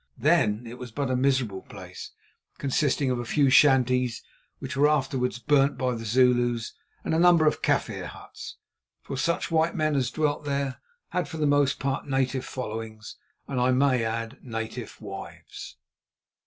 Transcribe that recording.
Then it was but a miserable place, consisting of a few shanties which were afterwards burnt by the Zulus, and a number of Kaffir huts. For such white men as dwelt there had for the most part native followings, and, I may add, native wives.